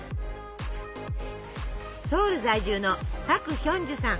ソウル在住のパク・ヒョンジュさん。